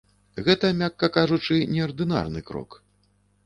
Гэта, мякка кажучы, неардынарны крок.